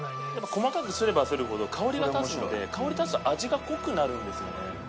細かくすればするほど香りが立つので香りが立つと味が濃くなるんですよね。